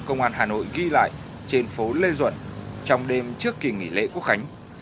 công an hà nội ghi lại trên phố lê duẩn trong đêm trước kỳ nghỉ lễ quốc khánh